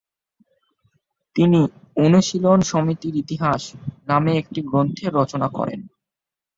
তিনি "অনুশীলন সমিতির ইতিহাস" নামে একটি গ্রন্থের রচনা করেন।